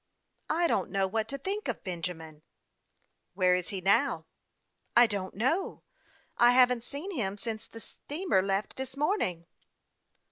" I don't know what to think of Benjamin." " Where is he now ?"" I don't know ; I haven't seen him since the steamer left this morning."